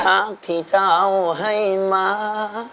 ถ้าพี่เจ้าให้มา